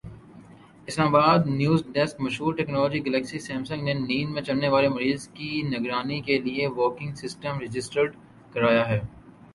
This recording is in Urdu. اسلام آبادنیو زڈیسک مشہور ٹیکنالوجی گلیکسی سامسنگ نے نیند میں چلنے والے مریض کی نگرانی کیلئے والکنگ سسٹم رجسٹرڈ کرایا ہے